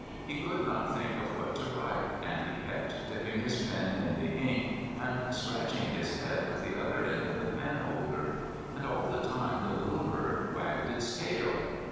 He could not think of what to write, and he kept dipping his pen in the ink, and scratching his head with the other end of the penholder; and all the time the little bird wagged its tail.